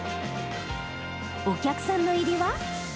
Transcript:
お客さんの入りは？